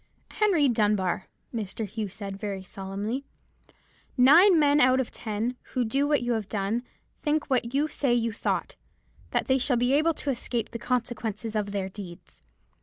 "'Henry Dunbar,' Mr. Hugh said, very solemnly, 'nine men out of ten, who do what you have done, think what you say you thought: that they shall be able to escape the consequences of their deeds.